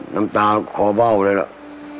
น้ำตาคอเบ้าเลยล่ะ